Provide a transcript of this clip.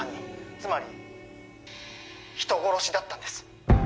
つまり人殺しだったんです